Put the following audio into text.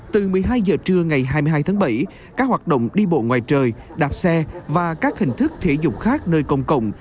từ một mươi hai h trưa ngày hai mươi hai tháng bảy các hoạt động đi bộ ngoài trời đạp xe và các hình thức thể dục khác nơi công cộng